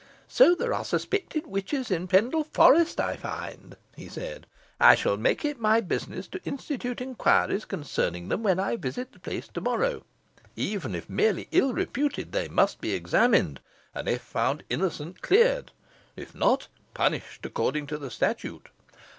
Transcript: "So there are suspected witches in Pendle Forest, I find," he said. "I shall make it my business to institute inquiries concerning them, when I visit the place to morrow. Even if merely ill reputed, they must be examined, and if found innocent cleared; if not, punished according to the statute.